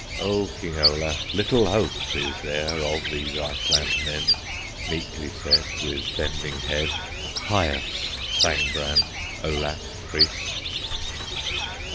"O, King Olaf! little hope Is there of these Iceland men!" Meekly said, With bending head, Pious Thangbrand, Olaf's Priest.